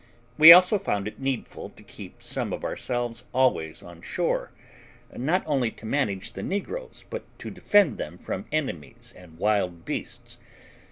We also found it needful to keep some of ourselves always on shore, not only to manage the negroes, but to defend them from enemies and wild beasts.